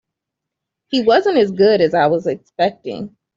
He wasn't as good as I was expecting.